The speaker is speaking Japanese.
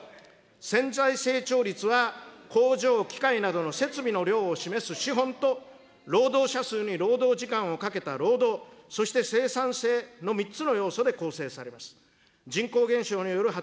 潜在成長率は工場、機械などの設備の量を示す資本と労働者数に労働時間をかけた労働、そして生産性の３つの要素で構成されます。